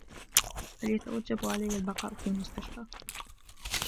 هل يتوجب علي البقاء في المستشفى ؟